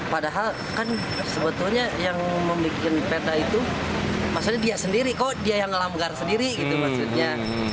padahal kan sebetulnya yang membuat peta itu maksudnya dia sendiri kok dia yang ngelanggar sendiri gitu maksudnya